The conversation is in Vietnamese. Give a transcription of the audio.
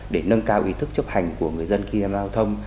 để nâng cao ý thức chấp hành của người dân khi giao thông